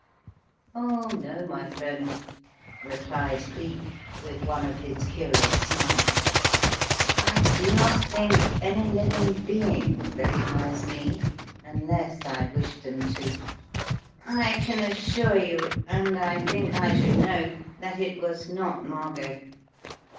"Oh, no, my friend," replied Cleek, with one of his curious smiles. "I do not think any living being would recognize me, unless I wished them to. I can assure you, and I think I should know, that it was not Margot.